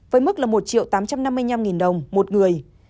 với mức là một triệu tám trăm năm mươi năm nghìn đồng một người